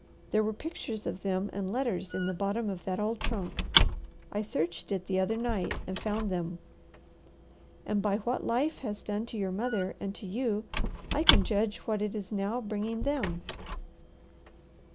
There were pictures of them and letters in the bottom of that old trunk. I searched it the other night and found them; and by what life has done to your mother and to you, I can judge what it is now bringing them.